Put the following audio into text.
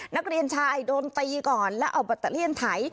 นักเรียนชายโดนตีก่อนแล้วเอาแบตเตอเลี่ยนไถ